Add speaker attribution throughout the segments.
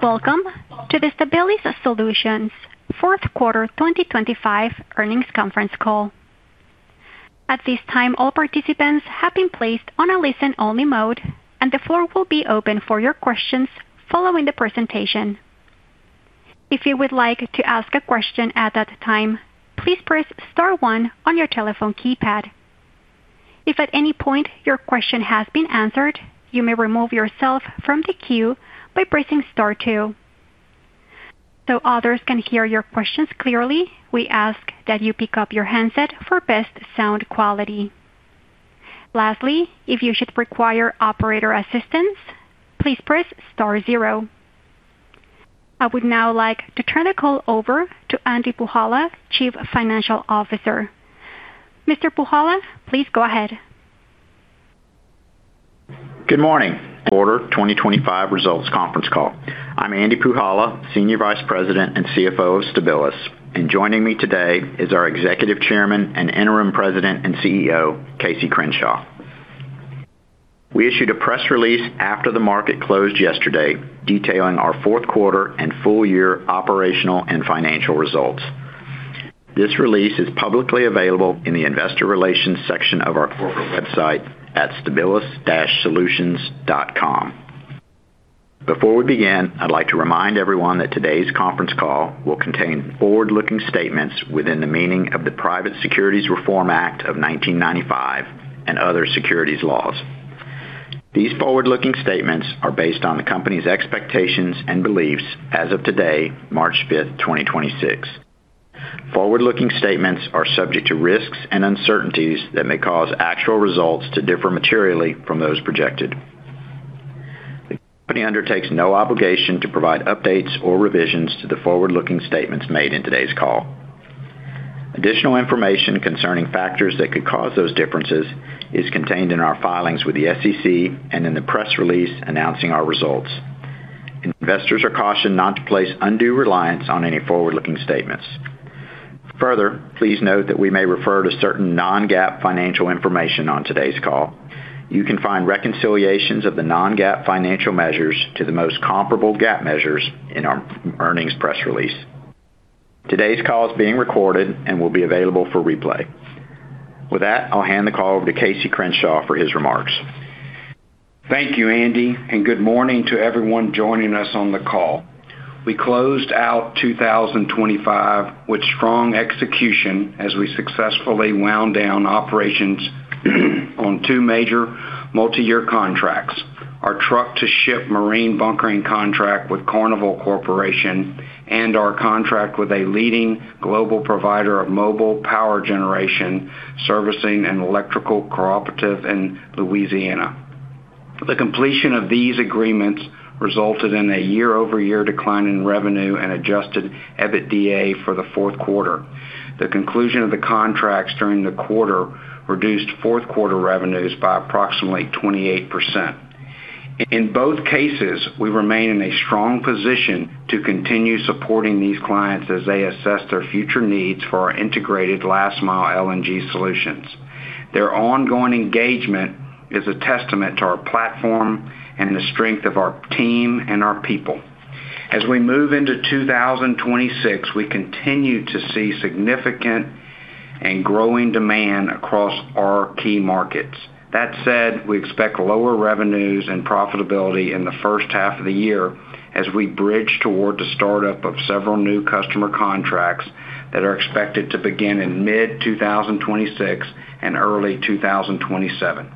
Speaker 1: Welcome to the Stabilis Solutions fourth quarter 2025 earnings conference call. At this time, all participants have been placed on a listen-only mode, and the floor will be open for your questions following the presentation. If you would like to ask a question at that time, please press star one on your telephone keypad. If at any point your question has been answered, you may remove yourself from the queue by pressing star two. Others can hear your questions clearly, we ask that you pick up your handset for best sound quality. Lastly, if you should require operator assistance, please press star zero. I would now like to turn the call over to Andy Puhala, Chief Financial Officer. Mr. Puhala, please go ahead.
Speaker 2: Good morning. Quarter 2025 results conference call. I'm Andy Puhala, Senior Vice President and CFO of Stabilis. Joining me today is our Executive Chairman and Interim President and CEO, Casey Crenshaw. We issued a press release after the market closed yesterday detailing our fourth quarter and full year operational and financial results. This release is publicly available in the investor relations section of our corporate website at stabilis-solutions.com. Before we begin, I'd like to remind everyone that today's conference call will contain forward-looking statements within the meaning of the Private Securities Litigation Reform Act of 1995 and other securities laws. These forward-looking statements are based on the company's expectations and beliefs as of today, March 5th, 2026. Forward-looking statements are subject to risks and uncertainties that may cause actual results to differ materially from those projected. The company undertakes no obligation to provide updates or revisions to the forward-looking statements made in today's call. Additional information concerning factors that could cause those differences is contained in our filings with the SEC and in the press release announcing our results. Investors are cautioned not to place undue reliance on any forward-looking statements. Further, please note that we may refer to certain non-GAAP financial information on today's call. You can find reconciliations of the non-GAAP financial measures to the most comparable GAAP measures in our earnings press release. Today's call is being recorded and will be available for replay. With that, I'll hand the call over to Casey Crenshaw for his remarks.
Speaker 3: Thank you, Andy. Good morning to everyone joining us on the call. We closed out 2025 with strong execution as we successfully wound down operations on two major multiyear contracts: our truck-to-ship marine bunkering contract with Carnival Corporation and our contract with a leading global provider of mobile power generation servicing an electrical cooperative in Louisiana. The completion of these agreements resulted in a year-over-year decline in revenue and Adjusted EBITDA for the fourth quarter. The conclusion of the contracts during the quarter reduced fourth quarter revenues by approximately 28%. In both cases, we remain in a strong position to continue supporting these clients as they assess their future needs for our integrated last-mile LNG solutions. Their ongoing engagement is a testament to our platform and the strength of our team and our people. As we move into 2026, we continue to see significant and growing demand across our key markets. That said, we expect lower revenues and profitability in the first half of the year as we bridge toward the start-up of several new customer contracts that are expected to begin in mid-2026 and early 2027.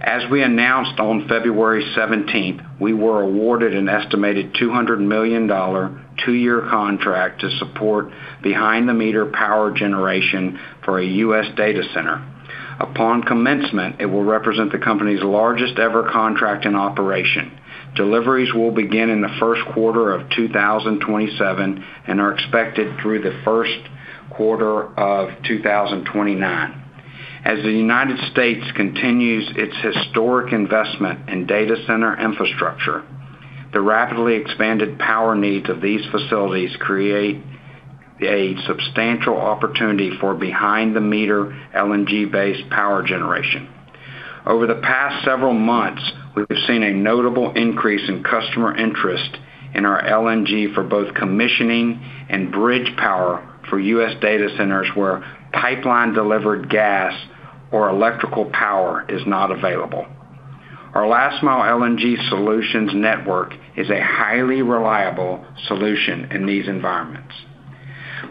Speaker 3: As we announced on February 17th, we were awarded an estimated $200 million two-year contract to support behind-the-meter power generation for a U.S. data center. Upon commencement, it will represent the company's largest-ever contract in operation. Deliveries will begin in the first quarter of 2027 and are expected through the first quarter of 2029. As the United States continues its historic investment in data center infrastructure, the rapidly expanded power needs of these facilities create a substantial opportunity for behind-the-meter LNG-based power generation. Over the past several months, we have seen a notable increase in customer interest in our LNG for both commissioning and bridge power for U.S. data centers where pipeline-delivered gas or electrical power is not available. Our last-mile LNG solutions network is a highly reliable solution in these environments.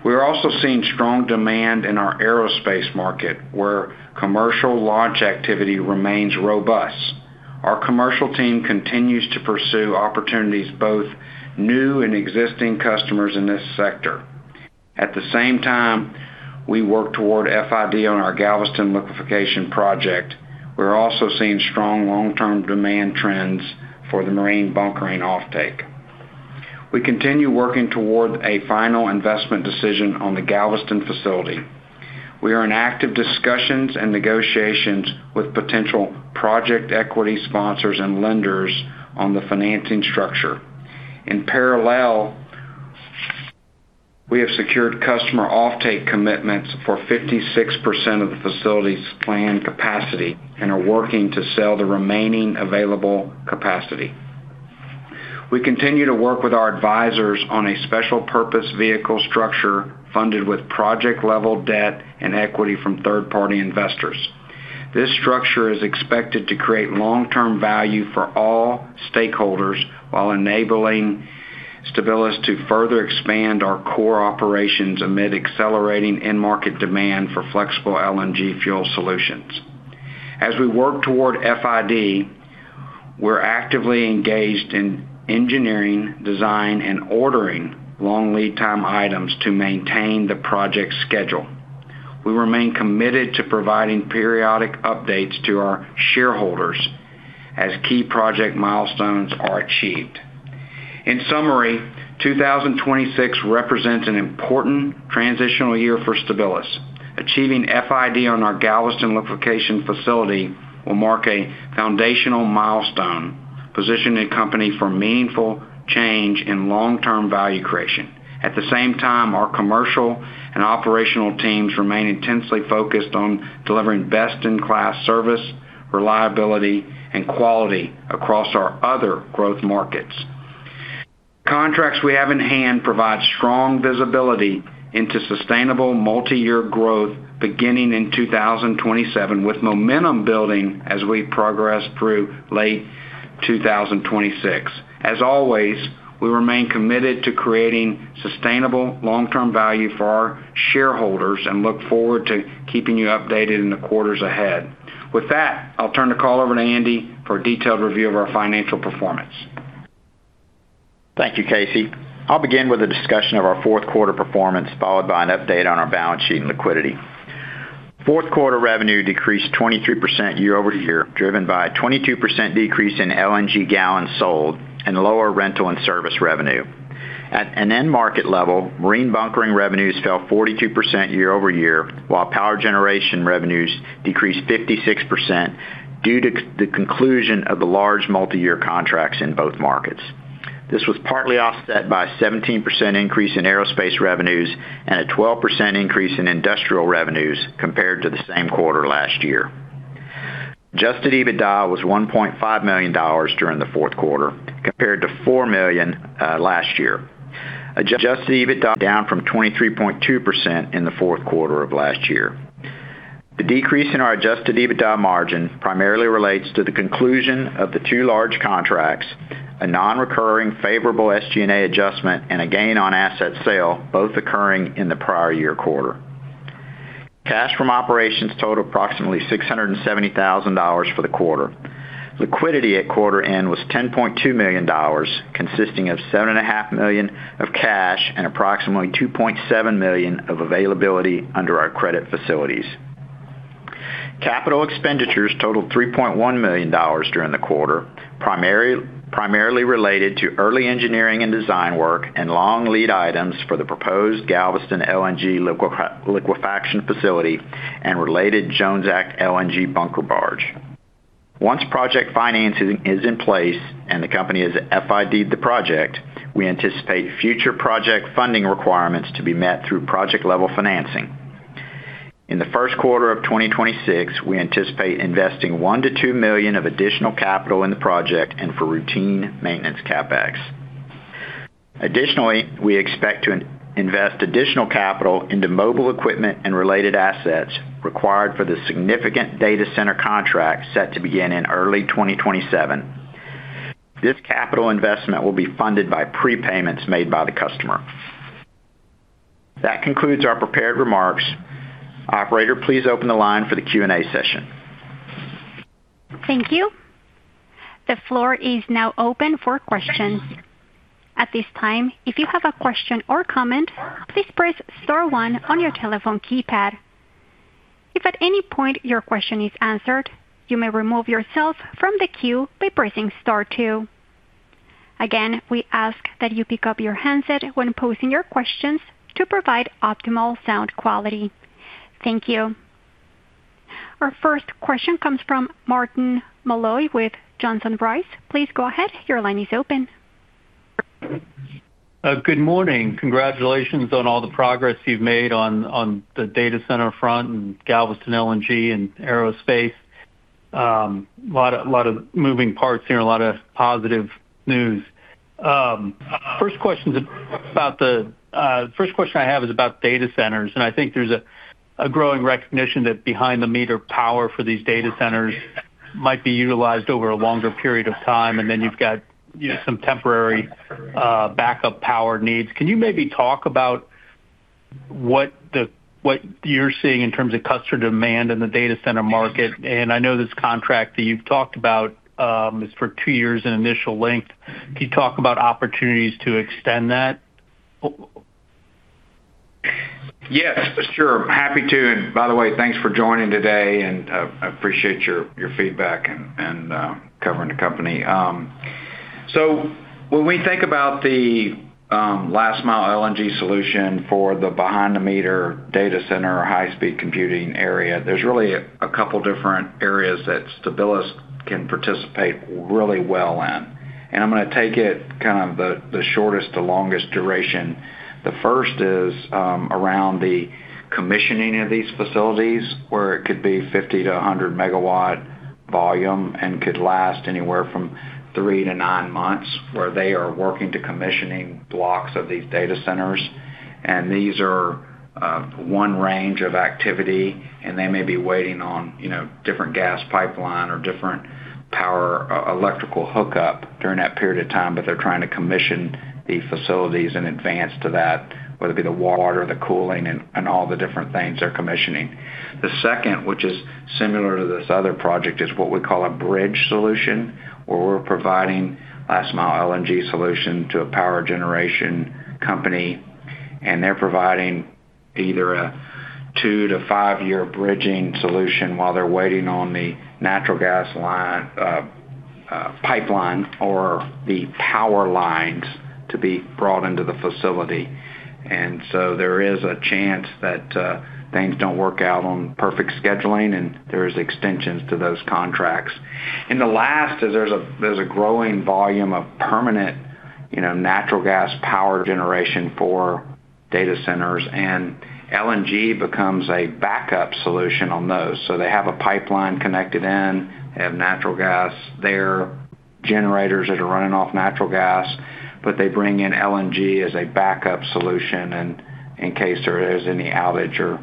Speaker 3: We are also seeing strong demand in our aerospace market, where commercial launch activity remains robust. Our commercial team continues to pursue opportunities, both new and existing customers in this sector. At the same time, we work toward FID on our Galveston liquefaction project. We're also seeing strong long-term demand trends for the marine bunkering offtake. We continue working toward a final investment decision on the Galveston facility. We are in active discussions and negotiations with potential project equity sponsors and lenders on the financing structure. In parallel, we have secured customer offtake commitments for 56% of the facility's planned capacity and are working to sell the remaining available capacity. We continue to work with our advisors on a special purpose vehicle structure funded with project-level debt and equity from third-party investors. This structure is expected to create long-term value for all stakeholders while enabling Stabilis to further expand our core operations amid accelerating end market demand for flexible LNG fuel solutions. As we work toward FID, we're actively engaged in engineering, design, and ordering long lead time items to maintain the project schedule. We remain committed to providing periodic updates to our shareholders as key project milestones are achieved. In summary, 2026 represents an important transitional year for Stabilis. Achieving FID on our Galveston liquefaction facility will mark a foundational milestone, positioning the company for meaningful change and long-term value creation. At the same time, our commercial and operational teams remain intensely focused on delivering best-in-class service, reliability, and quality across our other growth markets. Contracts we have in hand provide strong visibility into sustainable multiyear growth beginning in 2027, with momentum building as we progress through late 2026. As always, we remain committed to creating sustainable long-term value for our shareholders and look forward to keeping you updated in the quarters ahead. With that, I'll turn the call over to Andy for a detailed review of our financial performance.
Speaker 2: Thank you, Casey. I'll begin with a discussion of our fourth quarter performance, followed by an update on our balance sheet and liquidity. Fourth quarter revenue decreased 23% year-over-year, driven by a 22% decrease in LNG gallons sold and lower rental and service revenue. At an end market level, marine bunkering revenues fell 42% year-over-year, while power generation revenues decreased 56% due to the conclusion of the large multiyear contracts in both markets. This was partly offset by a 17% increase in aerospace revenues and a 12% increase in industrial revenues compared to the same quarter last year. Adjusted EBITDA was $1.5 million during the fourth quarter, compared to $4 million last year. Adjusted EBITDA down from 23.2% in the fourth quarter of last year. The decrease in our Adjusted EBITDA margin primarily relates to the conclusion of the two large contracts, a non-recurring favorable SG&A adjustment and a gain on asset sale, both occurring in the prior year quarter. Cash from operations totaled approximately $670,000 for the quarter. Liquidity at quarter end was $10.2 million, consisting of $7.5 million and approximately $2.7 million of availability under our credit facilities. Capital expenditures totaled $3.1 million during the quarter, primarily related to early engineering and design work and long lead items for the proposed Galveston LNG liquefaction facility and related Jones Act LNG bunker barge. Once project financing is in place and the company has FID'd the project, we anticipate future project funding requirements to be met through project-level financing. In the first quarter of 2026, we anticipate investing $1 million-$2 million of additional capital in the project and for routine maintenance CapEx. Additionally, we expect to invest additional capital into mobile equipment and related assets required for the significant data center contract set to begin in early 2027. This capital investment will be funded by prepayments made by the customer. That concludes our prepared remarks. Operator, please open the line for the Q&A session.
Speaker 1: Thank you. The floor is now open for questions. At this time, if you have a question or comment, please press star one on your telephone keypad. If at any point your question is answered, you may remove yourself from the queue by pressing star two. Again, we ask that you pick up your handset when posing your questions to provide optimal sound quality. Thank you. Our first question comes from Martin Malloy with Johnson Rice. Please go ahead. Your line is open.
Speaker 4: Good morning. Congratulations on all the progress you've made on the data center front and Galveston LNG and Aerospace. Lot of moving parts here and a lot of positive news. First question I have is about data centers, and I think there's a growing recognition that behind-the-meter power for these data centers might be utilized over a longer period of time, and then you've got some temporary backup power needs. Can you maybe talk about what you're seeing in terms of customer demand in the data center market? I know this contract that you've talked about is for two years in initial length. Can you talk about opportunities to extend that?
Speaker 3: Yes, sure. Happy to. By the way, thanks for joining today, and I appreciate your feedback and covering the company. When we think about the last-mile LNG solution for the behind-the-meter data center or high-speed computing area, there's really a couple different areas that Stabilis can participate really well in. I'm gonna take it kind of the shortest to longest duration. The first is around the commissioning of these facilities, where it could be 50 MW-100 MW volume and could last anywhere from three to nine months, where they are working to commissioning blocks of these data centers. These are one range of activity, and they may be waiting on, you know, different gas pipeline or different power or electrical hookup during that period of time. They're trying to commission the facilities in advance to that, whether it be the water, the cooling, and all the different things they're commissioning. The second, which is similar to this other project, is what we call a bridge solution, where we're providing last mile LNG solution to a power generation company, and they're providing either a two to five year bridging solution while they're waiting on the natural gas line, pipeline or the power lines to be brought into the facility. There is a chance that things don't work out on perfect scheduling, and there's extensions to those contracts. The last is there's a growing volume of permanent, you know, natural gas power generation for data centers, and LNG becomes a backup solution on those. They have a pipeline connected in. They have natural gas. Their generators that are running off natural gas, but they bring in LNG as a backup solution and in case there is any outage or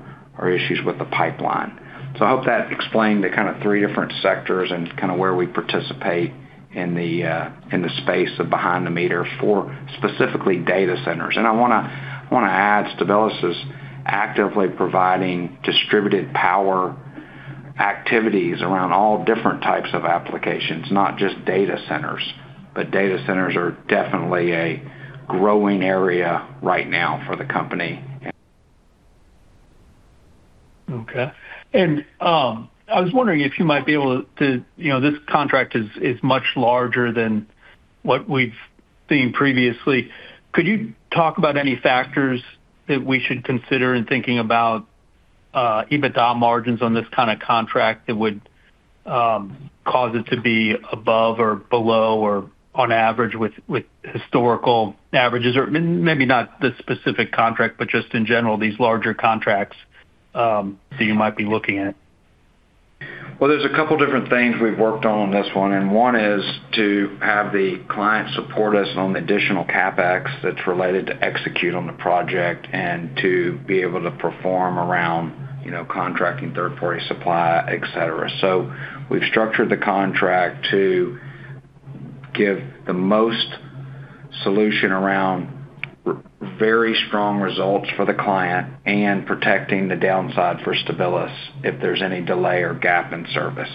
Speaker 3: issues with the pipeline. I hope that explained the kind of three different sectors and kind of where we participate in the space of behind-the-meter for specifically data centers. I wanna add, Stabilis is actively providing distributed power activities around all different types of applications, not just data centers. Data centers are definitely a growing area right now for the company.
Speaker 4: Okay. I was wondering if you might be able to. You know, this contract is much larger than what we've seen previously. Could you talk about any factors that we should consider in thinking about EBITDA margins on this kind of contract that would cause it to be above or below or on average with historical averages? Maybe not this specific contract, but just in general, these larger contracts that you might be looking at.
Speaker 3: Well, there's a couple different things we've worked on on this one. One is to have the client support us on additional CapEx that's related to execute on the project and to be able to perform around, you know, contracting third party supply, et cetera. We've structured the contract to give the most solution around very strong results for the client and protecting the downside for Stabilis if there's any delay or gap in service.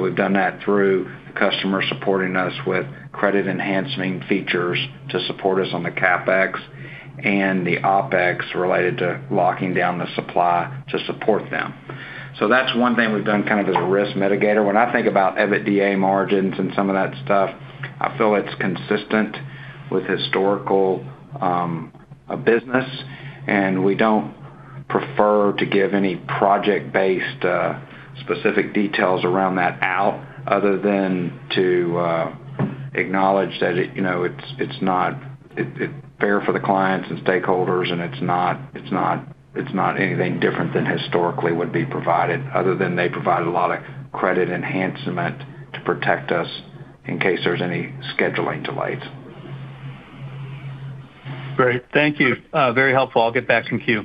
Speaker 3: We've done that through customers supporting us with credit enhancing features to support us on the CapEx and the OpEx related to locking down the supply to support them. That's one thing we've done kind of as a risk mitigator. When I think about EBITDA margins and some of that stuff, I feel it's consistent with historical business. We don't prefer to give any project-based specific details around that out other than to acknowledge that it's not fair for the clients and stakeholders. It's not anything different than historically would be provided other than they provide a lot of credit enhancement to protect us in case there's any scheduling delays.
Speaker 4: Great. Thank you. Very helpful. I'll get back in queue.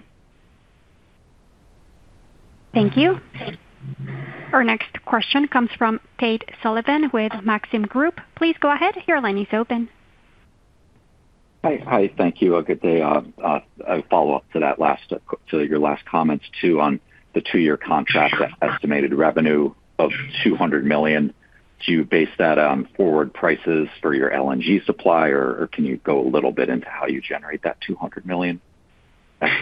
Speaker 1: Thank you. Our next question comes from Tate Sullivan with Maxim Group. Please go ahead. Your line is open.
Speaker 5: Hi. Thank you. Good day. A follow-up to your last comments too on the two-year contract estimated revenue of $200 million. Do you base that on forward prices for your LNG supply, or can you go a little bit into how you generate that $200 million?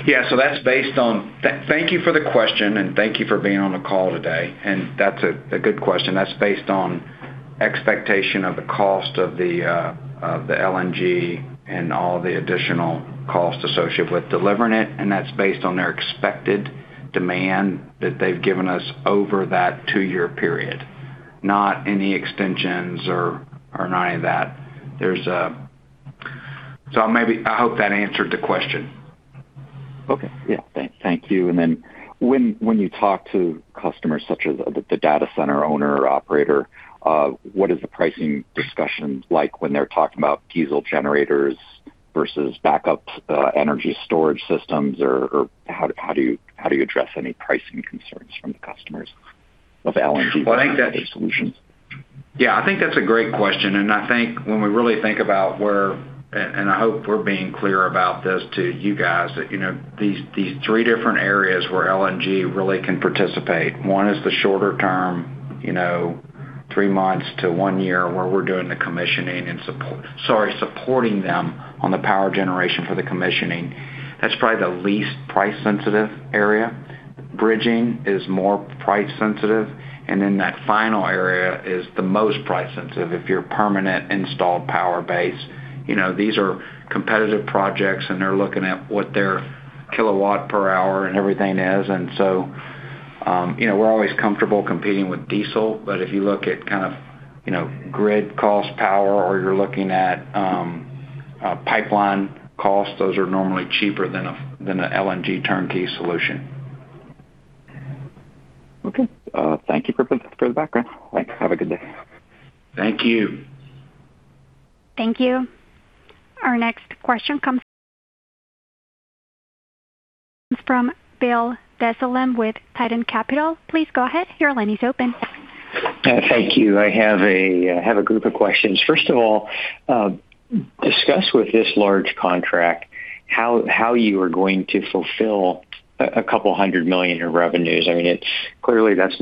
Speaker 3: Yeah. Thank you for the question, and thank you for being on the call today. That's a good question. That's based on expectation of the cost of the LNG and all the additional costs associated with delivering it, and that's based on their expected demand that they've given us over that two-year period, not any extensions or none of that. There's a... I hope that answered the question.
Speaker 5: Okay. Yeah. Thank you. Then when you talk to customers such as the data center owner or operator, what is the pricing discussion like when they're talking about diesel generators versus backup energy storage systems or how do you address any pricing concerns from the customers of LNG
Speaker 3: Well, I think that's...
Speaker 5: solutions?
Speaker 3: Yeah, I think that's a great question. I think when we really think about, I hope we're being clear about this to you guys, that, you know, these three different areas where LNG really can participate. One is the shorter term, you know, three months to one year where we're doing the commissioning and supporting them on the power generation for the commissioning. That's probably the least price sensitive area. Bridging is more price sensitive. That final area is the most price sensitive if you're permanent installed power base. You know, these are competitive projects. They're looking at what their kilowatt per hour and everything is. You know, we're always comfortable competing with diesel, but if you look at kind of, you know, grid cost power or you're looking at, pipeline costs, those are normally cheaper than a LNG turnkey solution.
Speaker 5: Okay. Thank you for the background. Thanks. Have a good day.
Speaker 3: Thank you.
Speaker 1: Thank you. Our next question comes from Bill Dezellem with Tieton Capital. Please go ahead. Your line is open.
Speaker 6: Thank you. I have a group of questions. First of all, discuss with this large contract how you are going to fulfill $200 million in revenues. I mean, presumably that's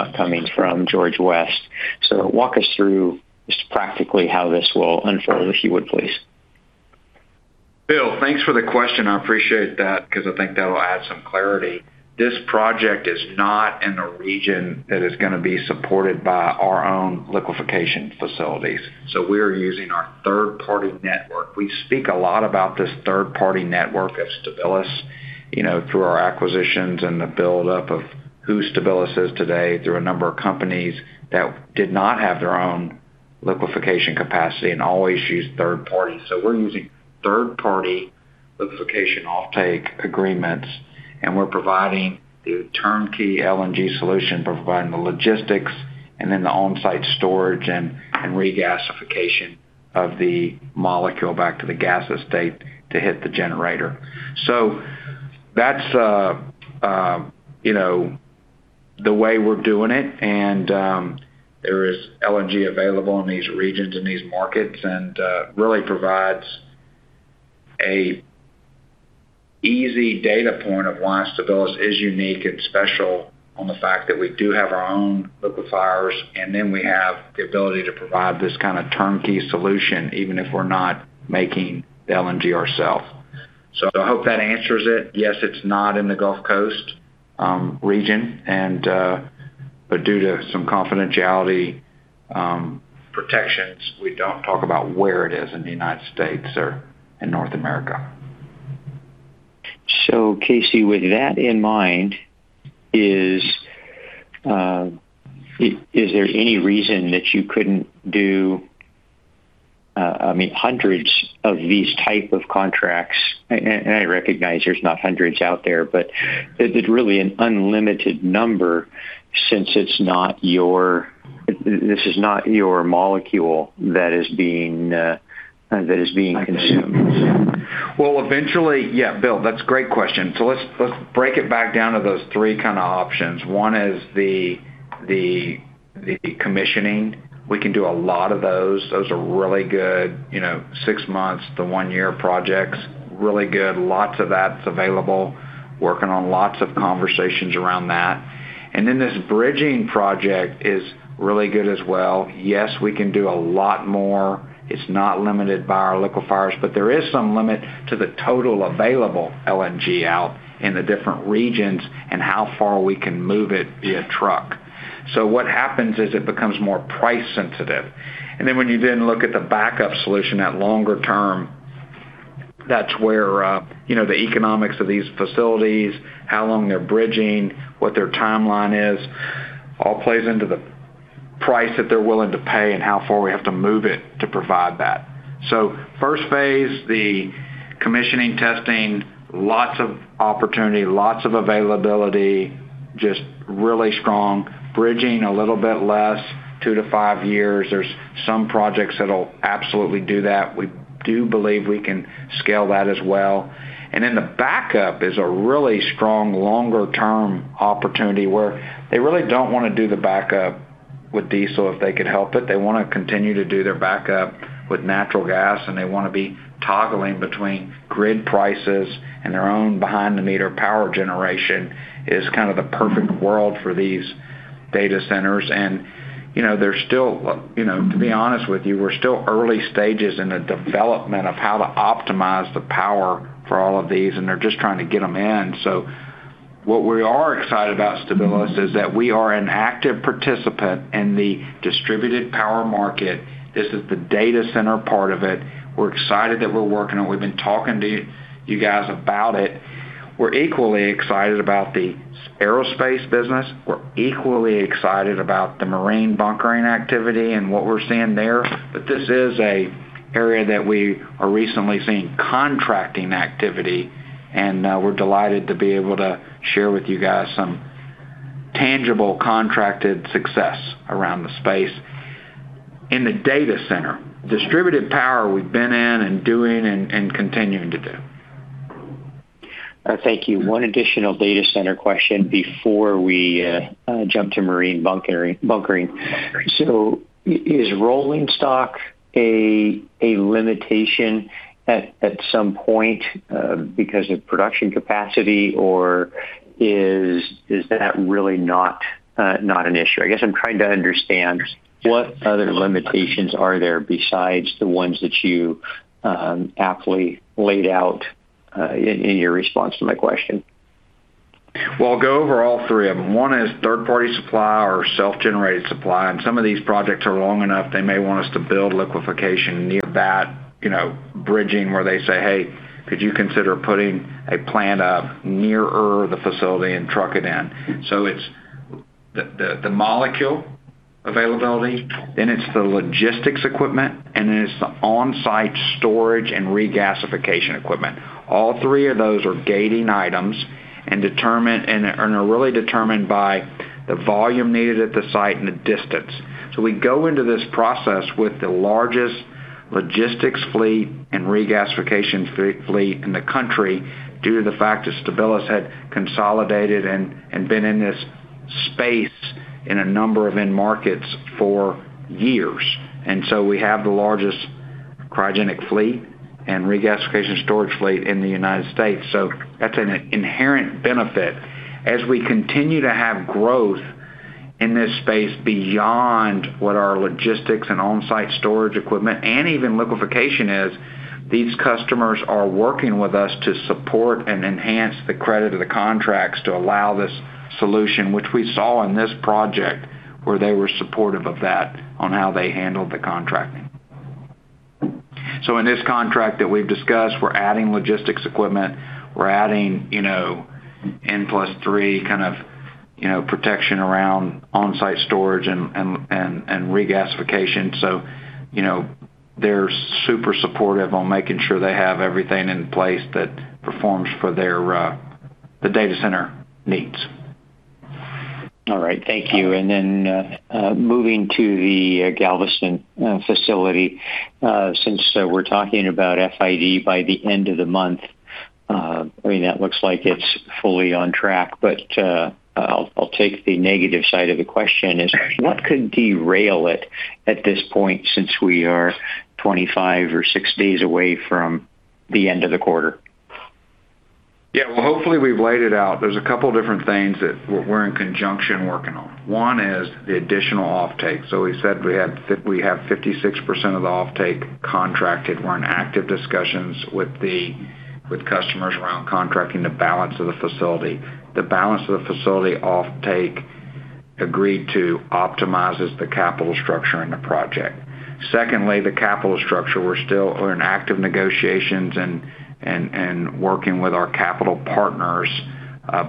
Speaker 6: not coming from George West. Walk us through just practically how this will unfold, if you would please.
Speaker 3: Bill, thanks for the question. I appreciate that because I think that'll add some clarity. This project is not in a region that is gonna be supported by our own liquefaction facilities. We're using our third-party network. We speak a lot about this third-party network at Stabilis, you know, through our acquisitions and the build-up of who Stabilis is today through a number of companies that did not have their own liquefaction capacity and always used third party. We're using third-party liquefaction offtake agreements, and we're providing the turnkey LNG solution, providing the logistics and then the on-site storage and regasification of the molecule back to the gas estate to hit the generator. That's, you know, the way we're doing it. There is LNG available in these regions, in these markets, really provides a easy data point of why Stabilis is unique and special on the fact that we do have our own liquefiers, and then we have the ability to provide this kind of turnkey solution even if we're not making the LNG ourself. I hope that answers it. Yes, it's not in the Gulf Coast region, but due to some confidentiality protections, we don't talk about where it is in the U.S. or in North America.
Speaker 6: Casey, with that in mind, is there any reason that you couldn't do, I mean, hundreds of these type of contracts? I recognize there's not hundreds out there, but is it really an unlimited number since it's not your molecule that is being consumed?
Speaker 3: Eventually. Yeah, Bill, that's a great question. Let's, let's break it back down to those three kind of options. One is the, the commissioning. We can do a lot of those. Those are really good, you know, six months to one year projects. Really good. Lots of that's available. Working on lots of conversations around that. This bridging project is really good as well. Yes, we can do a lot more. It's not limited by our liquefiers, but there is some limit to the total available LNG out in the different regions and how far we can move it via truck. What happens is it becomes more price sensitive. When you then look at the backup solution at longer term, that's where, you know, the economics of these facilities, how long they're bridging, what their timeline is, all plays into the price that they're willing to pay and how far we have to move it to provide that. First phase, the commissioning, testing, lots of opportunity, lots of availability, just really strong. Bridging, a little bit less, two to five years. There's some projects that'll absolutely do that. We do believe we can scale that as well. The backup is a really strong longer term opportunity where they really don't wanna do the backup with diesel if they could help it. They wanna continue to do their backup with natural gas, and they wanna be toggling between grid prices and their own behind-the-meter power generation is kind of the perfect world for these data centers. You know, they're still, you know, to be honest with you, we're still early stages in the development of how to optimize the power for all of these, and they're just trying to get them in. What we are excited about at Stabilis is that we are an active participant in the distributed power market. This is the data center part of it. We're excited that we're working on. We've been talking to you guys about it. We're equally excited about the aerospace business. We're equally excited about the marine bunkering activity and what we're seeing there. This is a area that we are recently seeing contracting activity, and we're delighted to be able to share with you guys some tangible contracted success around the space. In the data center, distributed power we've been in and doing and continuing to do.
Speaker 6: Thank you. One additional data center question before we jump to marine bunkering. Is rolling stock a limitation at some point because of production capacity, or is that really not an issue? I guess I'm trying to understand what other limitations are there besides the ones that you aptly laid out in your response to my question.
Speaker 3: All three of them. One is third-party supply or self-generated supply. Some of these projects are long enough, they may want us to build liquefaction near that, you know, bridging where they say, "Hey, could you consider putting a plant up nearer the facility and truck it in?" It's the molecule availability, then it's the logistics equipment, and then it's the on-site storage and regasification equipment. All three of those are gating items and are really determined by the volume needed at the site and the distance. We go into this process with the largest logistics fleet and regasification fleet in the country due to the fact that Stabilis had consolidated and been in this space in a number of end markets for years. We have the largest cryogenic fleet and regasification storage fleet in the United States. That's an inherent benefit. As we continue to have growth in this space beyond what our logistics and on-site storage equipment and even liquefaction is, these customers are working with us to support and enhance the credit of the contracts to allow this solution, which we saw in this project, where they were supportive of that on how they handled the contracting. In this contract that we've discussed, we're adding logistics equipment. We're adding, you know, N+3 kind of, you know, protection around on-site storage and regasification. You know, they're super supportive on making sure they have everything in place that performs for their the data center needs.
Speaker 6: All right. Thank you. Moving to the Galveston facility, since we're talking about FID by the end of the month, I mean, that looks like it's fully on track. I'll take the negative side of the question is, what could derail it at this point since we are 25 or six days away from the end of the quarter?
Speaker 3: Well, hopefully, we've laid it out. There's a couple different things that we're in conjunction working on. One is the additional offtake. We said we have 56% of the offtake contracted. We're in active discussions with customers around contracting the balance of the facility. The balance of the facility offtake agreed to optimizes the capital structure in the project. Secondly, the capital structure, we're in active negotiations and working with our capital partners,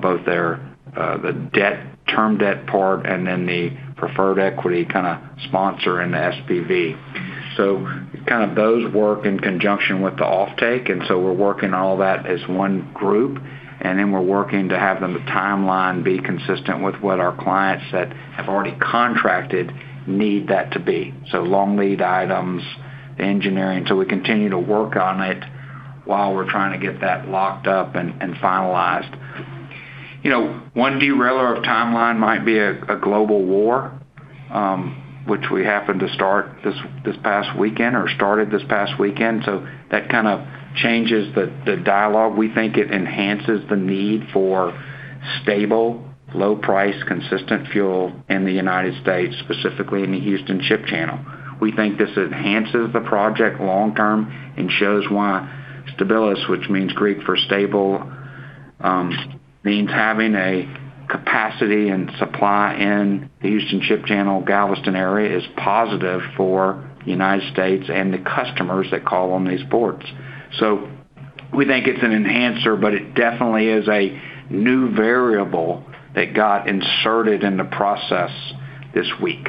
Speaker 3: both their the term debt part and then the preferred equity kind of sponsor in the SPV. Kind of those work in conjunction with the offtake, and so we're working all that as one group, and then we're working to have the timeline be consistent with what our clients that have already contracted need that to be. Long lead items, the engineering. We continue to work on it while we're trying to get that locked up and finalized. You know, one derailer of timeline might be a global war, which we happened to start this past weekend or started this past weekend. That kind of changes the dialogue. We think it enhances the need for stable, low price, consistent fuel in the United States, specifically in the Houston Ship Channel. We think this enhances the project long term and shows why Stabilis, which means Greek for stable, means having a capacity and supply in the Houston Ship Channel, Galveston area is positive for the United States and the customers that call on these ports. We think it's an enhancer, but it definitely is a new variable that got inserted in the process this week.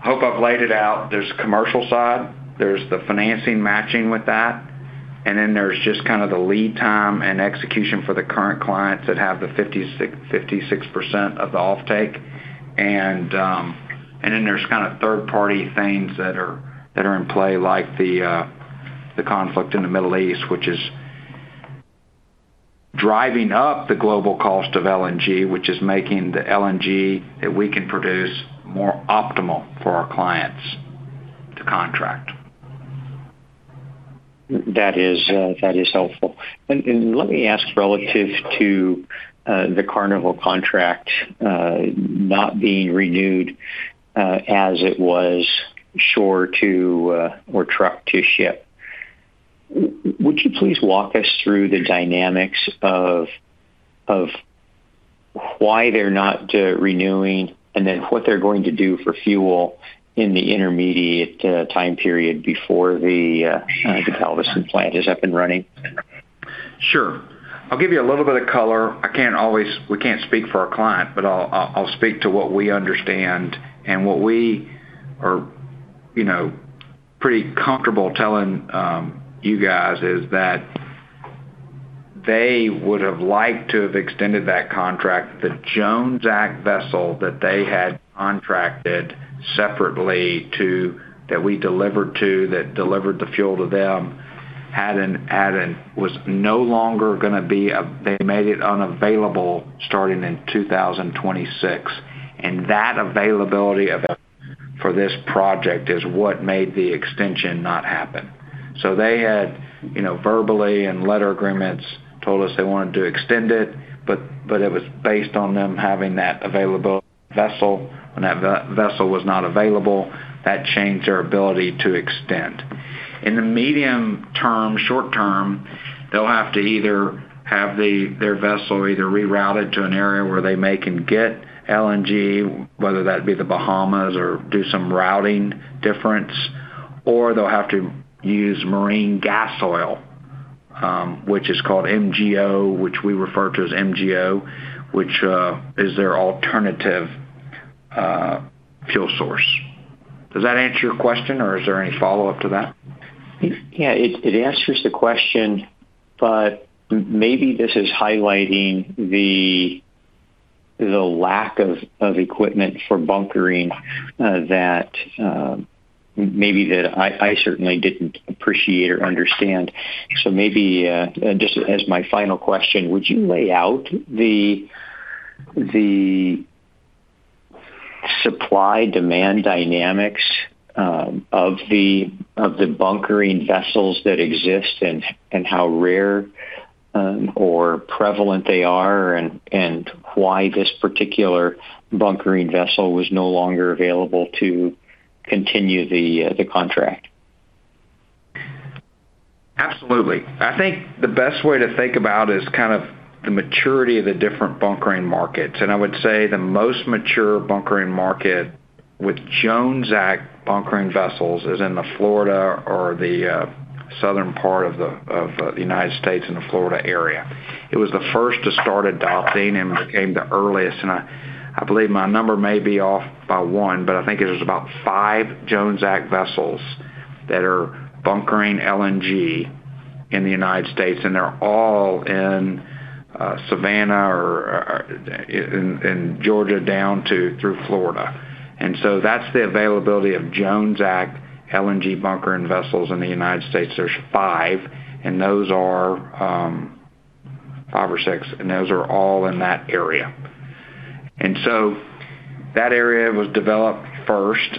Speaker 3: Hope I've laid it out. There's the commercial side, there's the financing matching with that, and then there's just kind of the lead time and execution for the current clients that have the 56% of the offtake. Then there's kind of third-party things that are in play, like the conflict in the Middle East, which is driving up the global cost of LNG, which is making the LNG that we can produce more optimal for our clients to contract.
Speaker 6: That is, that is helpful. Let me ask relative to the Carnival contract, not being renewed, as it was shore to or truck to ship. Would you please walk us through the dynamics of why they're not renewing and then what they're going to do for fuel in the intermediate time period before the Galveston plant is up and running?
Speaker 3: Sure. I'll give you a little bit of color. We can't speak for our client, but I'll speak to what we understand. What we are, you know, pretty comfortable telling you guys is that they would have liked to have extended that contract. The Jones Act vessel that they had contracted separately that we delivered to, that delivered the fuel to them was no longer gonna be they made it unavailable starting in 2026, and that availability for this project is what made the extension not happen. They had, you know, verbally in letter agreements, told us they wanted to extend it, but it was based on them having that available vessel. When that vessel was not available, that changed their ability to extend. In the medium-term, short-term, they'll have to either have their vessel either rerouted to an area where they may can get LNG, whether that be the Bahamas or do some routing difference, or they'll have to use marine gas oil, which is called MGO, which we refer to as MGO, which is their alternative fuel source. Does that answer your question or is there any follow-up to that?
Speaker 6: It, it answers the question, but maybe this is highlighting the lack of equipment for bunkering, that maybe that I certainly didn't appreciate or understand. Maybe, just as my final question, would you lay out the supply-demand dynamics of the bunkering vessels that exist and how rare or prevalent they are and why this particular bunkering vessel was no longer available to continue the contract?
Speaker 3: Absolutely. I think the best way to think about is kind of the maturity of the different bunkering markets. I would say the most mature bunkering market with Jones Act bunkering vessels is in Florida or the southern part of the United States in the Florida area. It was the first to start adopting and became the earliest. I believe my number may be off by one, but I think it was about five Jones Act vessels that are bunkering LNG in the United States, and they're all in Savannah or in Georgia down to through Florida. That's the availability of Jones Act LNG bunkering vessels in the United States. There's five, and those are five or six, and those are all in that area. That area was developed first.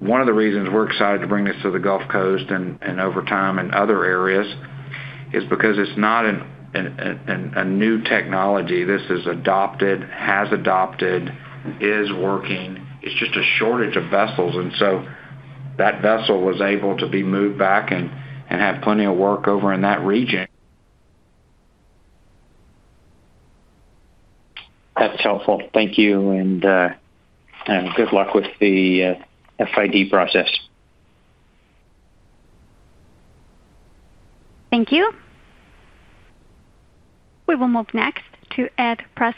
Speaker 3: One of the reasons we're excited to bring this to the Gulf Coast and over time in other areas is because it's not a new technology. This is adopted, is working. It's just a shortage of vessels. That vessel was able to be moved back and have plenty of work over in that region.
Speaker 6: That's helpful. Thank you, and good luck with the FID process.
Speaker 1: Thank you. We will move next to Ed Arce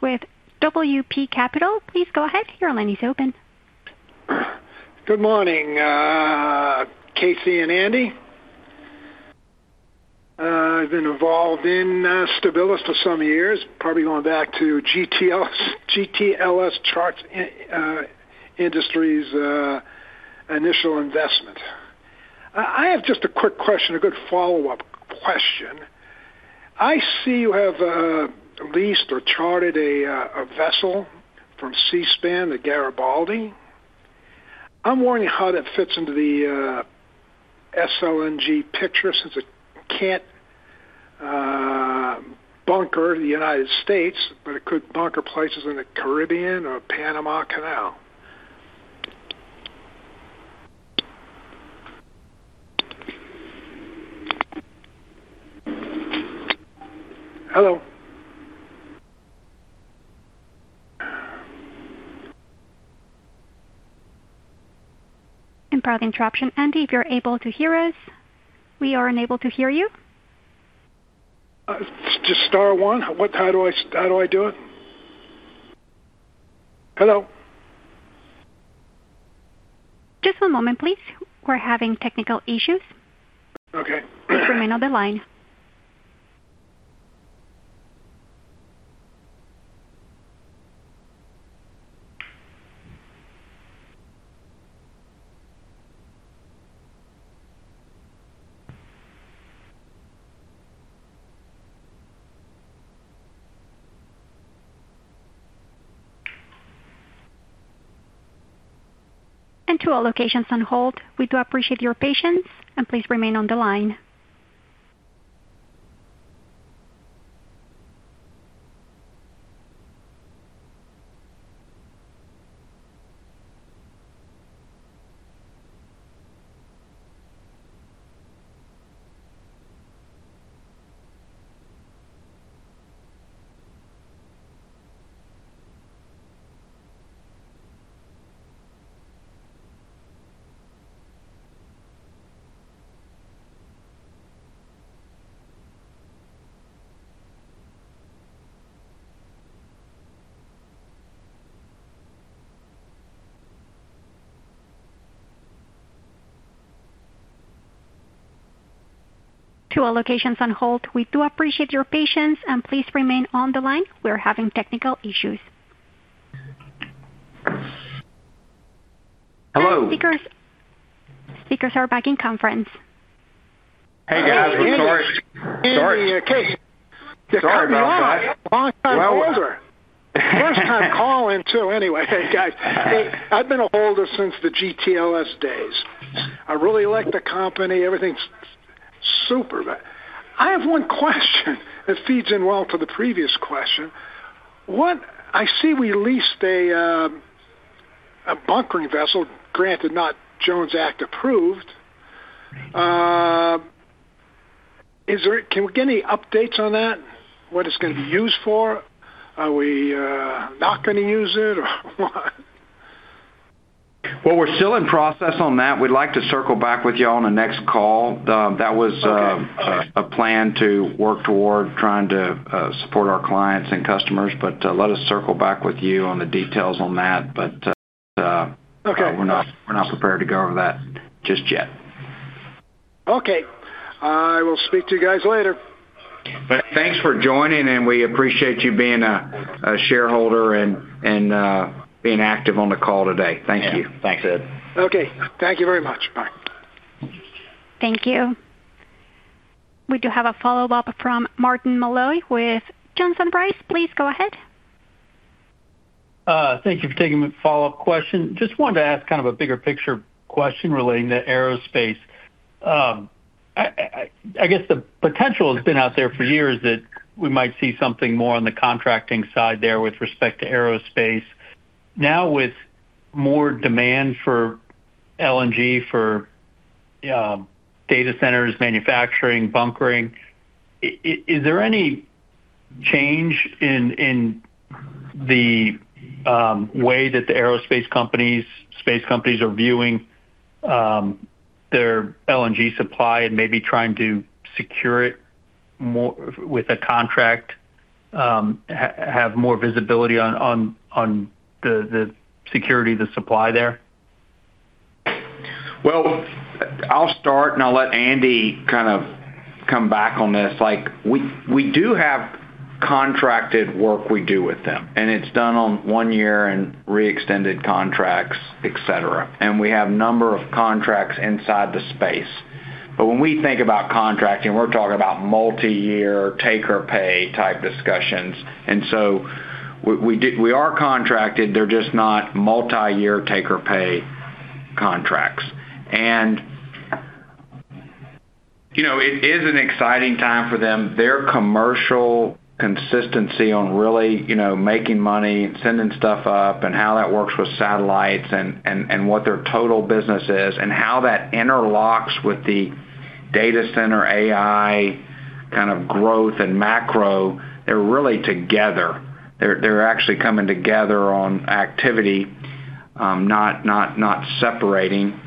Speaker 1: with WP Capital. Please go ahead. Your line is open.
Speaker 7: Good morning, Casey and Andy. I've been involved in Stabilis for some years, probably going back to GTLS Chart Industries, initial investment. I have just a quick question, a good follow-up question. I see you have leased or chartered a vessel from Seaspan, the Garibaldi. I'm wondering how that fits into the SLNG picture since it can't bunker the United States, but it could bunker places in the Caribbean or Panama Canal. Hello?
Speaker 1: Apologies for the interruption. Andy, if you're able to hear us, we are unable to hear you.
Speaker 7: just star one. How do I do it? Hello?
Speaker 1: Just one moment, please. We're having technical issues.
Speaker 7: Okay.
Speaker 1: Please remain on the line. To all locations on hold, we do appreciate your patience and please remain on the line. To all locations on hold, we do appreciate your patience and please remain on the line. We're having technical issues.
Speaker 3: Hello.
Speaker 1: Speakers. Speakers are back in conference.
Speaker 3: Hey, guys.
Speaker 2: Andy, it's Andy.
Speaker 3: Sorry.
Speaker 2: Casey.
Speaker 3: Sorry about that.
Speaker 7: Long time holder. First time calling too. Anyway, guys, I've been a holder since the GTLS days. I really like the company. Everything's super. I have one question that feeds in well to the previous question. I see we leased a bunkering vessel, granted not Jones Act approved. Can we get any updates on that? What it's going to be used for? Are we not going to use it or what?
Speaker 3: Well, we're still in process on that. We'd like to circle back with you all on the next call.
Speaker 7: Okay.
Speaker 3: a plan to work toward trying to support our clients and customers. Let us circle back with you on the details on that.
Speaker 7: Okay.
Speaker 3: We're not prepared to go over that just yet.
Speaker 7: Okay. I will speak to you guys later.
Speaker 3: Thanks for joining, and we appreciate you being a shareholder and being active on the call today. Thank you.
Speaker 2: Yeah. Thanks, Ed.
Speaker 7: Okay. Thank you very much. Bye.
Speaker 1: Thank you. We do have a follow-up from Martin Malloy with Johnson Rice. Please go ahead.
Speaker 4: Thank you for taking my follow-up question. Just wanted to ask kind of a bigger picture question relating to aerospace. I guess the potential has been out there for years that we might see something more on the contracting side there with respect to aerospace. Now with more demand for LNG, for data centers, manufacturing, bunkering, is there any change in the way that the aerospace companies, space companies are viewing their LNG supply and maybe trying to secure it more with a contract, have more visibility on the security of the supply there?
Speaker 3: Well, I'll start, and I'll let Andy kind of come back on this. Like, we do have contracted work we do with them, and it's done on one year and re-extended contracts, et cetera. We have a number of contracts inside the space. When we think about contracting, we're talking about multiyear take-or-pay type discussions. We are contracted. They're just not multiyear take-or-pay contracts. You know, it is an exciting time for them. Their commercial consistency on really, you know, making money and sending stuff up and how that works with satellites and what their total business is and how that interlocks with the data center AI kind of growth and macro, they're really together. They're actually coming together on activity, not separating.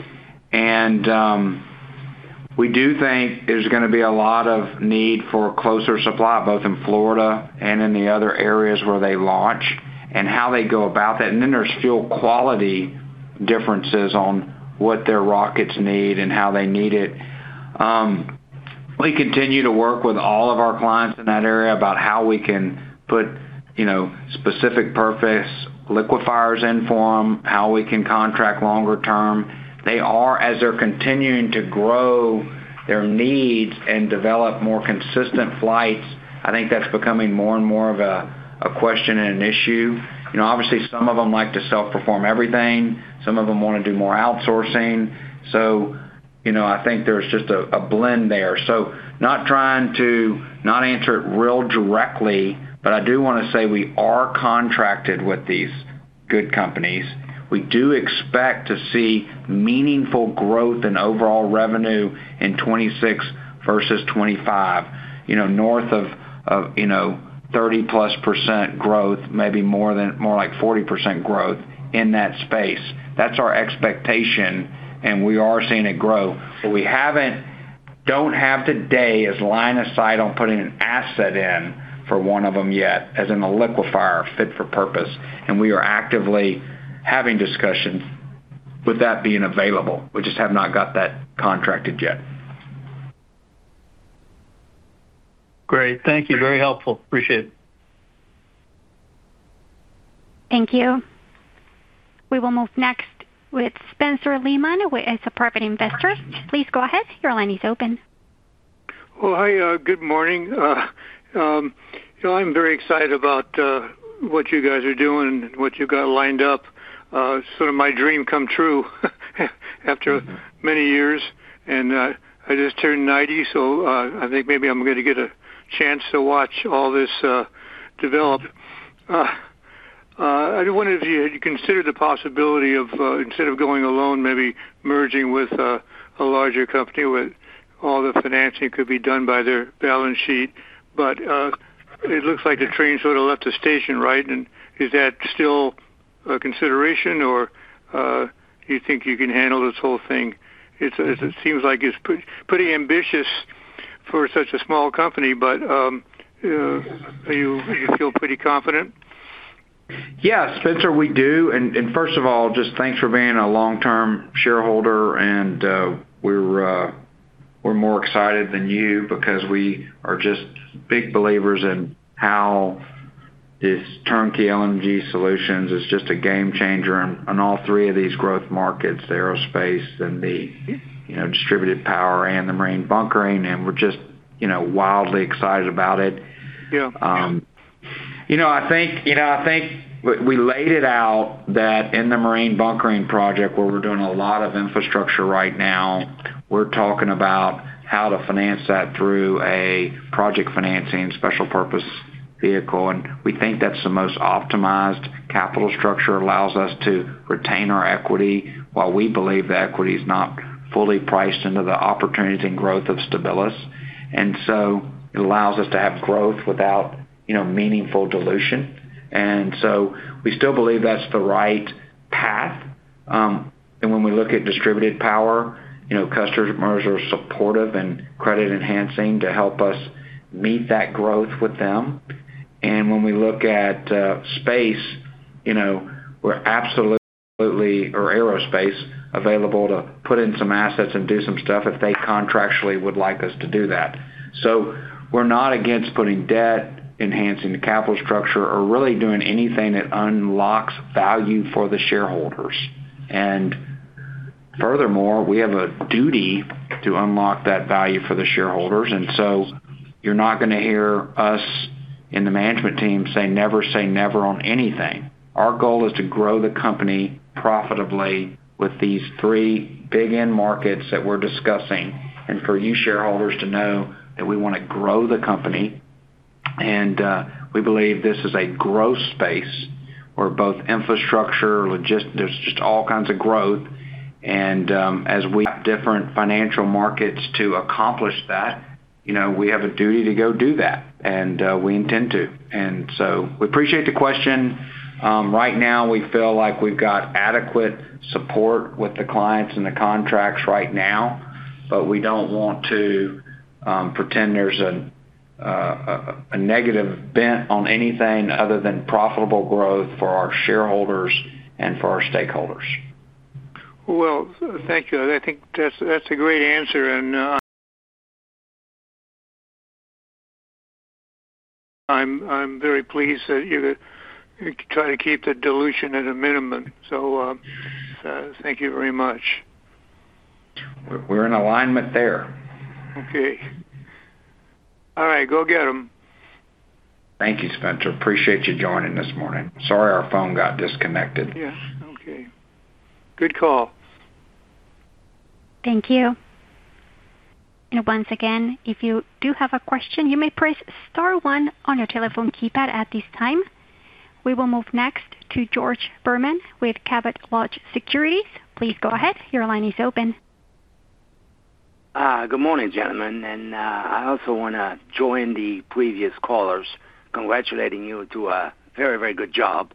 Speaker 3: We do think there's going to be a lot of need for closer supply, both in Florida and in the other areas where they launch and how they go about that. Then there's fuel quality differences on what their rockets need and how they need it. We continue to work with all of our clients in that area about how we can put, you know, specific purpose liquefiers in for them, how we can contract longer term. As they're continuing to grow their needs and develop more consistent flights, I think that's becoming more and more of a question and an issue. You know, obviously some of them like to self-perform everything. Some of them want to do more outsourcing. You know, I think there's just a blend there. Not trying to not answer it real directly, but I do want to say we are contracted with these good companies. We do expect to see meaningful growth in overall revenue in 2026 versus 2025, you know, north of, you know, 30%+ growth, maybe more like 40% growth in that space. That's our expectation, and we are seeing it grow. We don't have today as line of sight on putting an asset in for one of them yet as in a liquefier fit for purpose. We are actively having discussions with that being available. We just have not got that contracted yet.
Speaker 4: Great. Thank you. Very helpful. Appreciate it.
Speaker 1: Thank you. We will move next with Spencer Lehman as a private investor. Please go ahead. Your line is open.
Speaker 8: Well, hi. good morning. you know, I'm very excited about what you guys are doing and what you got lined up. sort of my dream come true after many years. I just turned 90, so I think maybe I'm going to get a chance to watch all this develop. I do wonder if you had considered the possibility of instead of going alone, maybe merging with a larger company with all the financing could be done by their balance sheet. It looks like the train sort of left the station, right? Is that still a consideration or do you think you can handle this whole thing? It seems like it's pretty ambitious for such a small company, but are you feel pretty confident?
Speaker 3: Yeah, Spencer, we do. First of all, just thanks for being a long-term shareholder. We're more excited than you because we are just big believers in how this turnkey LNG solutions is just a game changer on all three of these growth markets, the aerospace and the, you know, distributed power and the marine bunkering. We're just, you know, wildly excited about it.
Speaker 8: Yeah.
Speaker 3: You know, I think, you know, I think we laid it out that in the marine bunkering project where we're doing a lot of infrastructure right now, we're talking about how to finance that through a project financing special purpose vehicle. We think that's the most optimized capital structure, allows us to retain our equity while we believe the equity is not fully priced into the opportunities and growth of Stabilis. It allows us to have growth without, you know, meaningful dilution. We still believe that's the right path. When we look at distributed power, you know, customers are supportive and credit enhancing to help us meet that growth with them. When we look at space, you know, we're absolutely or aerospace available to put in some assets and do some stuff if they contractually would like us to do that. We're not against putting debt, enhancing the capital structure or really doing anything that unlocks value for the shareholders. Furthermore, we have a duty to unlock that value for the shareholders. You're not gonna hear us in the management team say, never say never on anything. Our goal is to grow the company profitably with these three big end markets that we're discussing, and for you shareholders to know that we want to grow the company. We believe this is a growth space where both infrastructure, there's just all kinds of growth. As we different financial markets to accomplish that, you know, we have a duty to go do that, and we intend to. We appreciate the question. Right now, we feel like we've got adequate support with the clients and the contracts right now, but we don't want to pretend there's a negative bent on anything other than profitable growth for our shareholders and for our stakeholders.
Speaker 8: Well, thank you. I think that's a great answer. I'm very pleased that you're trying to keep the dilution at a minimum. Thank you very much.
Speaker 3: We're in alignment there.
Speaker 8: Okay. All right, go get 'em.
Speaker 3: Thank you, Spencer, appreciate you joining this morning. Sorry, our phone got disconnected.
Speaker 8: Yeah, okay. Good call.
Speaker 1: Thank you. Once again, if you do have a question, you may press star one on your telephone keypad at this time. We will move next to George Berman with Cabot Lodge Securities. Please go ahead. Your line is open.
Speaker 9: Good morning, gentlemen. I also want to join the previous callers congratulating you to a very, very good job.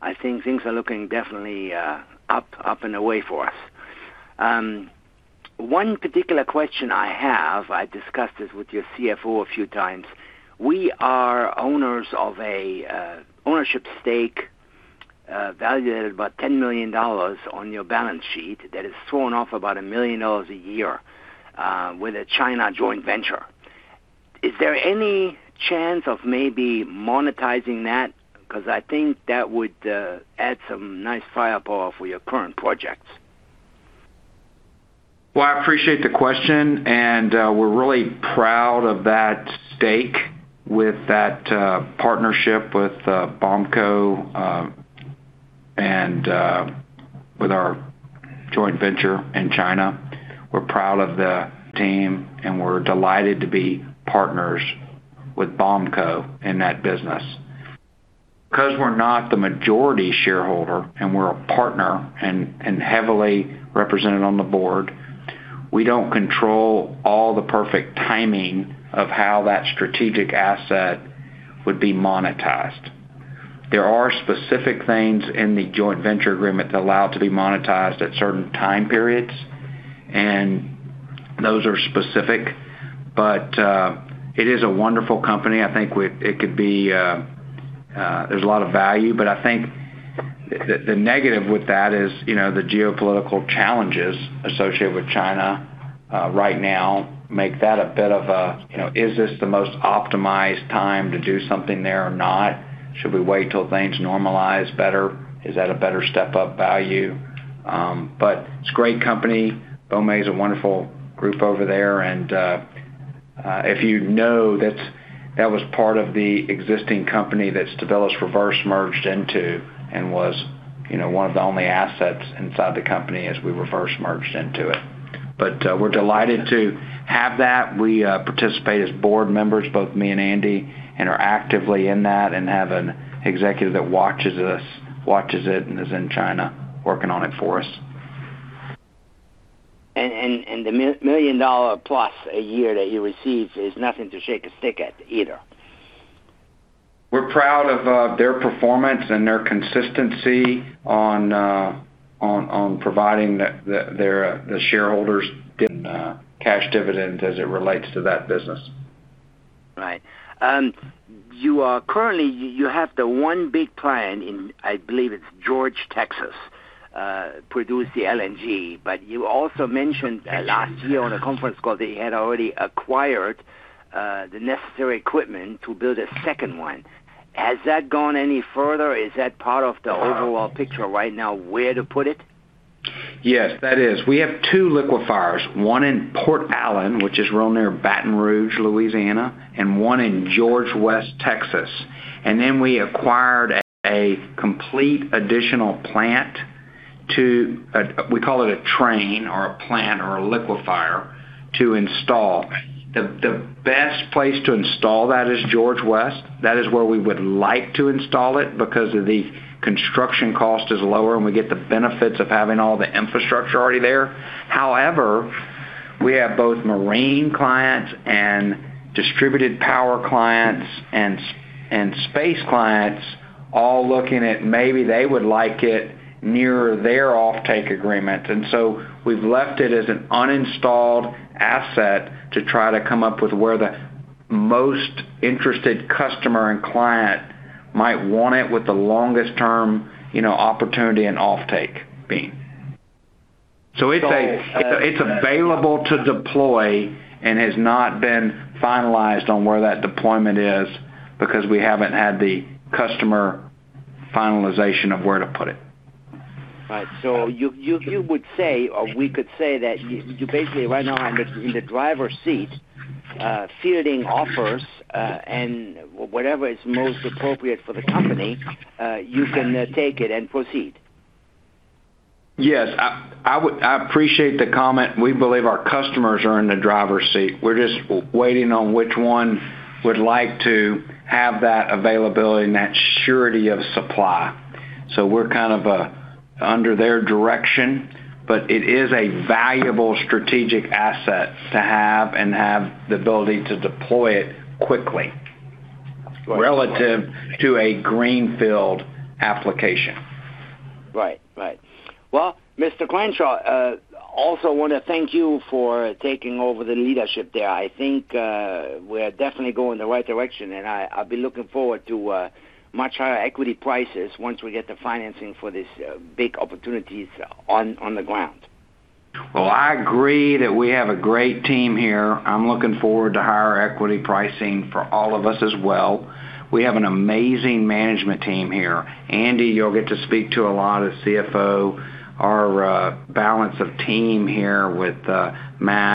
Speaker 9: I think things are looking definitely up and away for us. One particular question I have, I discussed this with your CFO a few times. We are owners of an ownership stake valued at about $10 million on your balance sheet that is thrown off about $1 million a year with a China joint venture. Is there any chance of maybe monetizing that? I think that would add some nice firepower for your current projects.
Speaker 3: Well, I appreciate the question, and we're really proud of that stake with that partnership with BOMCO, and with our joint venture in China. We're proud of the team, and we're delighted to be partners with BOMCO in that business. Because we're not the majority shareholder and we're a partner and heavily represented on the board, we don't control all the perfect timing of how that strategic asset would be monetized. There are specific things in the joint venture agreement that allow it to be monetized at certain time periods, and those are specific. It is a wonderful company. I think it could be. I think the negative with that is, you know, the geopolitical challenges associated with China right now make that a bit of a, you know, is this the most optimized time to do something there or not? Should we wait till things normalize better? Is that a better step-up value? It's a great company. BOMCO is a wonderful group over there. If you know, that was part of the existing company that Stabilis reverse merged into and was, you know, one of the only assets inside the company as we reverse merged into it. We're delighted to have that. We participate as board members, both me and Andy, and are actively in that and have an executive that watches it and is in China working on it for us.
Speaker 9: The $1 million plus a year that he receives is nothing to shake a stick at either.
Speaker 3: We're proud of, their performance and their consistency on providing the shareholders in, cash dividend as it relates to that business.
Speaker 9: Right. currently you have the one big plan in, I believe it's George, Texas, produce the LNG. You also mentioned last year on a conference call that you had already acquired, the necessary equipment to build a second one. Has that gone any further? Is that part of the overall picture right now, where to put it?
Speaker 3: Yes, that is. We have two liquefiers, one in Port Allen, which is real near Baton Rouge, Louisiana, and one in George West, Texas. Then we acquired a complete additional plant we call it a train or a plant or a liquefier to install. The best place to install that is George West. That is where we would like to install it because of the construction cost is lower, and we get the benefits of having all the infrastructure already there. However, we have both marine clients and distributed power clients and space clients all looking at maybe they would like it nearer their offtake agreement. So we've left it as an uninstalled asset to try to come up with where the most interested customer and client might want it with the longest term, you know, opportunity and offtake being. It's available to deploy and has not been finalized on where that deployment is because we haven't had the customer finalization of where to put it.
Speaker 9: Right. You would say or we could say that you basically right now are in the driver's seat, fielding offers, and whatever is most appropriate for the company, you can take it and proceed.
Speaker 3: Yes. I appreciate the comment. We believe our customers are in the driver's seat. We're just waiting on which one would like to have that availability and that surety of supply. We're kind of under their direction, but it is a valuable strategic asset to have and have the ability to deploy it quickly relative to a greenfield application.
Speaker 9: Right. Right. Well, Mr. Crenshaw, also wanna thank you for taking over the leadership there. I think, we're definitely going the right direction, I'll be looking forward to much higher equity prices once we get the financing for these big opportunities on the ground.
Speaker 3: Well, I agree that we have a great team here. I'm looking forward to higher equity pricing for all of us as well. We have an amazing management team here. Andy, you'll get to speak to a lot as CFO. Our balance of team here with Matt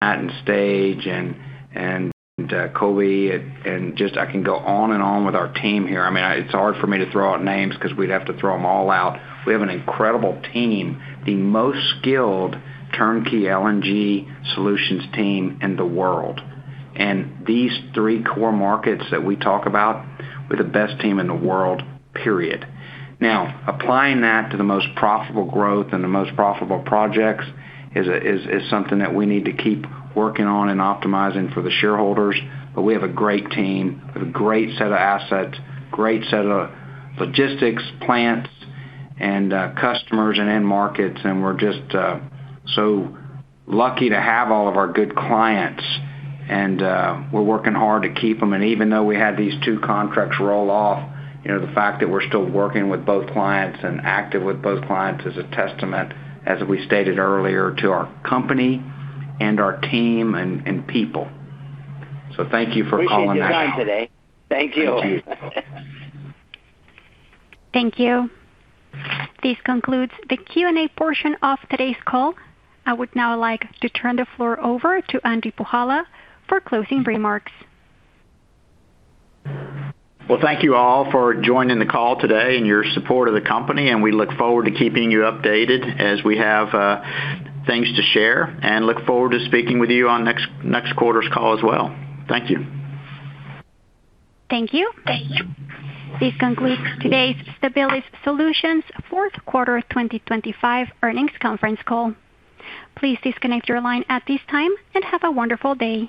Speaker 3: and Stage and Koby and just I can go on and on with our team here. I mean, it's hard for me to throw out names because we'd have to throw them all out. We have an incredible team, the most skilled turnkey LNG solutions team in the world. These three core markets that we talk about, we're the best team in the world, period. Applying that to the most profitable growth and the most profitable projects is something that we need to keep working on and optimizing for the shareholders. We have a great team, a great set of assets, great set of logistics, plants and customers and end markets, and we're just so lucky to have all of our good clients. We're working hard to keep them. Even though we had these two contracts roll off, you know, the fact that we're still working with both clients and active with both clients is a testament, as we stated earlier, to our company and our team and people. Thank you for calling that out.
Speaker 9: We should sign today. Thank you.
Speaker 3: Thank you.
Speaker 1: Thank you. This concludes the Q&A portion of today's call. I would now like to turn the floor over to Andy Puhala for closing remarks.
Speaker 2: Thank you all for joining the call today and your support of the company. We look forward to keeping you updated as we have things to share and look forward to speaking with you on next quarter's call as well. Thank you.
Speaker 1: Thank you.
Speaker 2: Thank you.
Speaker 1: This concludes today's Stabilis Solutions fourth quarter 2025 earnings conference call. Please disconnect your line at this time and have a wonderful day.